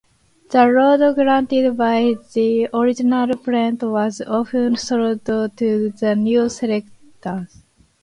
The land granted by the original patent was often sold to the new settlers.